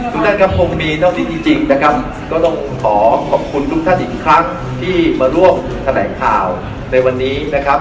ทุกท่านครับคงมีเท่าที่จริงนะครับก็ต้องขอขอบคุณทุกท่านอีกครั้งที่มาร่วมแถลงข่าวในวันนี้นะครับ